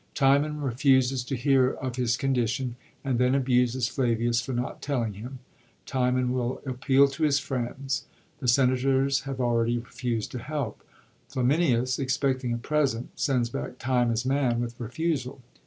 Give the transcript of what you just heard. Timon refuses to hear of his condition, and then abiises Flavius for not telling him. Timon will appeal to his friends. The senators have already refused to help. Flaminius, expecting a present, send» back Timon^s man with re fusal.